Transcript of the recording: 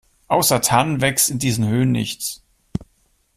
Außer Tannen wächst in diesen Höhen nichts.